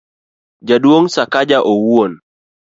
jaduong' Sakaja owuon